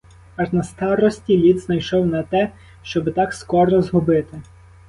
Аж на старості літ знайшов, — на те, щоби так скоро згубити.